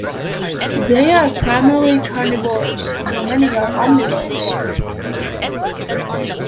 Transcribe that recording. They are primarily carnivorous, though many are omnivorous.